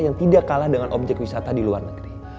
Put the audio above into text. yang tidak kalah dengan objek wisata di luar negeri